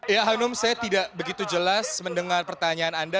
ya hanum saya tidak begitu jelas mendengar pertanyaan anda